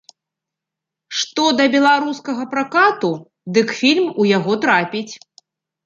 Што да беларускага пракату, дык фільм у яго трапіць.